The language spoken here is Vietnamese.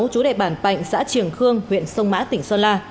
chú đệ bản bạnh xã triển khương huyện sông mã tỉnh sơn la